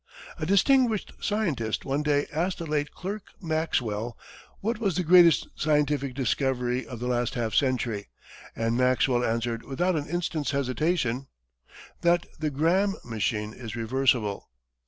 A distinguished scientist one day asked the late Clerk Maxwell what was the greatest scientific discovery of the last half century, and Maxwell answered without an instant's hesitation: "That the Gramme machine is reversible."